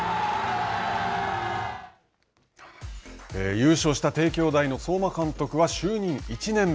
優勝した帝京大の相馬監督は就任１年目。